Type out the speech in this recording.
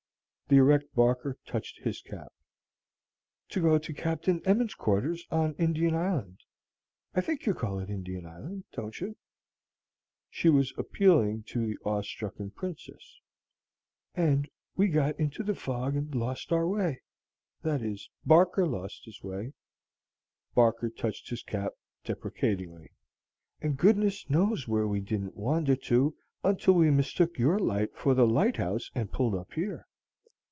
(the erect Barker touched his cap,) "to go to Captain Emmons's quarters on Indian Island, I think you call it Indian Island, don't you?" (she was appealing to the awe stricken Princess,) "and we got into the fog and lost our way; that is, Barker lost his way," (Barker touched his cap deprecatingly,) "and goodness knows where we didn't wander to until we mistook your light for the lighthouse and pulled up here.